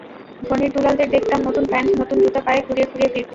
ধনীর দুলালদের দেখতাম নতুন প্যান্ট, নতুন জুতা পায়ে খুঁড়িয়ে খুঁড়িয়ে ফিরতে।